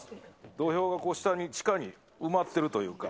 土俵がこう、下に、地下に埋まっているというか。